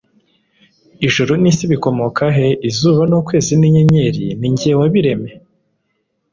Ijuru n’ isi bikomoka he, Izuba n’ ukwezi n’inyenyeri ninjye wabireme